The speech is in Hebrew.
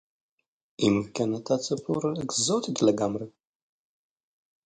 אם כן אתה ציפור אקזוטית לגמרי!